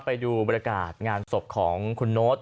ไปดูบรรยากาศงานศพของคุณโน๊ต